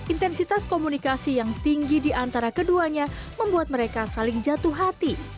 intensitas komunikasi yang tinggi di antara keduanya membuat mereka saling jatuh hati